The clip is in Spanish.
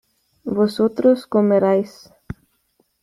vosotros comeréis